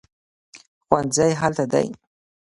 ښوونځی هلته دی